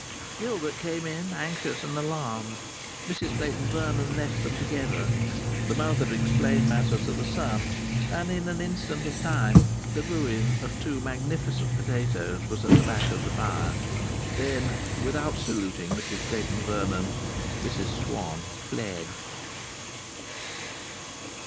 Gilbert came in, anxious and alarmed. Mrs Clayton Vernon left them together. The mother explained matters to the son, and in an instant of time the ruin of two magnificent potatoes was at the back of the fire. Then, without saluting Mrs Clayton Vernon, Mrs Swann fled.